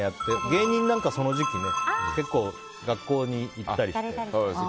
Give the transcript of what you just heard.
芸人なんか、その時期結構、学校に行ったりして。